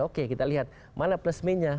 oke kita lihat mana plus minya